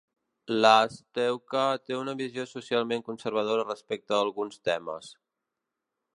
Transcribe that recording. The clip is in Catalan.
Lastewka té una visió socialment conservadora respecte a alguns temes.